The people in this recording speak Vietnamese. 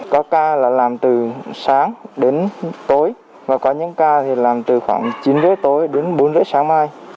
có ca là làm từ sáng đến tối và có những ca thì làm từ khoảng chín h ba tối đến bốn rưỡi sáng mai